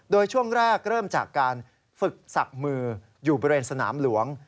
โดยช่วงแรกเริ่มจากการฝึกศักดิ์มืออยู่บริเวณสนามหลวง